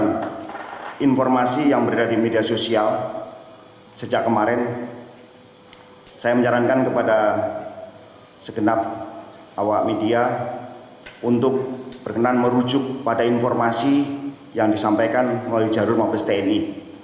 dengan informasi yang berada di media sosial sejak kemarin saya menyarankan kepada segenap awak media untuk berkenan merujuk pada informasi yang disampaikan melalui jalur mabes tni